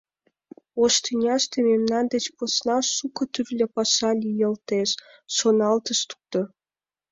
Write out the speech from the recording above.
Ош тӱняште мемнан деч посна шуко тӱрлӧ паша лийылтеш, шоналтыш тудо.